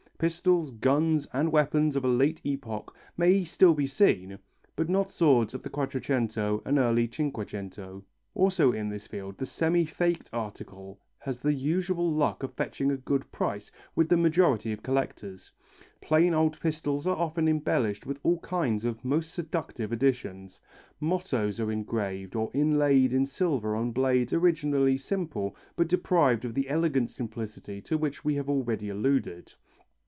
Pistols, guns and weapons of a late epoch may still be seen, but not swords of the Quattrocento and early Cinquecento. Also in this field the semi faked article has the usual luck of fetching a good price with the majority of collectors. Plain old pistols are often embellished with all kinds of most seductive additions. Mottoes are engraved or inlaid in silver on blades originally simple but deprived of the elegant simplicity to which we have already alluded.